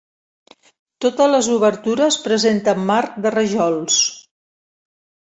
Totes les obertures presenten marc de rajols.